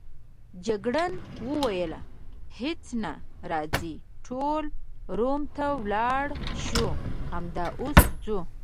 جګړن وویل: هیڅ نه، راځئ ټول روم ته ولاړ شو، همدا اوس ځو.